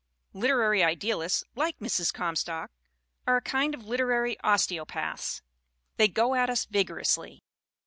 Literary idealists like Mrs. Comstock are a kind of literary osteopaths. They go at us vigorously.